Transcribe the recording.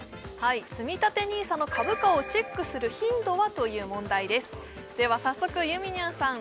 つみたてＮＩＳＡの株価をチェックする頻度は？という問題ですでは早速ゆみにゃんさん